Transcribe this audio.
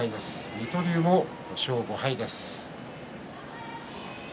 水戸龍も５勝５敗です。